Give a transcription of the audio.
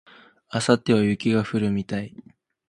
明後日は雪が降るみたい